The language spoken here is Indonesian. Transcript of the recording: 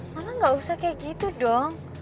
mama gak usah kayak gitu dong